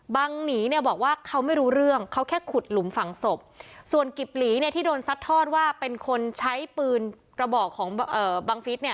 หนีเนี่ยบอกว่าเขาไม่รู้เรื่องเขาแค่ขุดหลุมฝังศพส่วนกิบหลีเนี่ยที่โดนซัดทอดว่าเป็นคนใช้ปืนกระบอกของบังฟิศเนี่ย